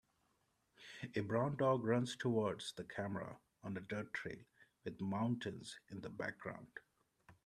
A brown dog runs towards the camera on a dirt trail with mountains in the background.